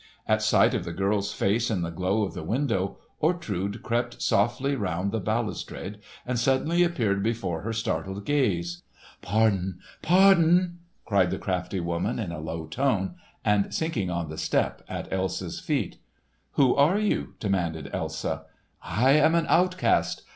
At sight of the girl's face in the glow of the window, Ortrud crept softly round the balustrade and suddenly appeared before her startled gaze. "Pardon—pardon!" cried the crafty woman in a low tone, and sinking on the step at Elsa's feet. "Who are you?" demanded Elsa. "I am an outcast.